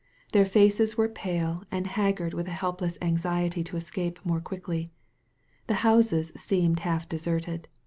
Their faces were pale and haggard with a helpless anxiety to escape more quickly. The houses seemed half deserted.